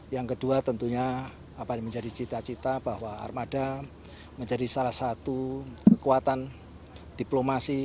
yang kedua tentunya menjadi cita cita bahwa armada menjadi salah satu kekuatan diplomasi